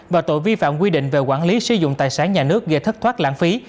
và tội vi phạm quy định về quản lý sử dụng tài sản nhà nước gây thất thoát lãng phí